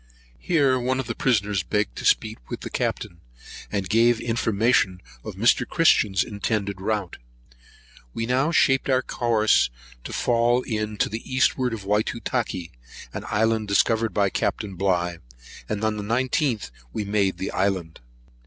Here one of the prisoners begged to speak with the Captain, and gave information of Mr. Christian's intended rout. We now shaped our course to fall in to the eastward of Whytutakee, an island discovered by Capt. Bligh, and on the 19th made the island.